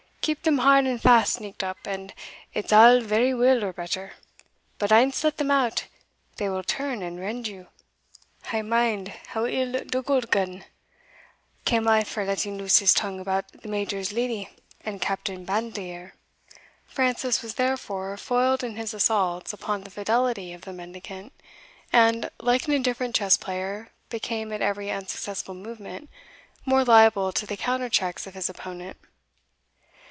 Keep them hard and fast sneaked up, and it's a' very weel or better but ance let them out, they will turn and rend you. I mind how ill Dugald Gunn cam aff for letting loose his tongue about the Major's leddy and Captain Bandilier." Francis was therefore foiled in his assaults upon the fidelity of the mendicant, and, like an indifferent chess player, became, at every unsuccessful movement, more liable to the counter checks of his opponent.